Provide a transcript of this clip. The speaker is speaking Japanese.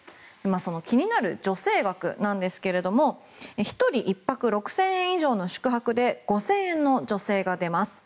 その気になる助成額なんですが１人１泊６０００円以上の宿泊で５０００円の助成が出ます。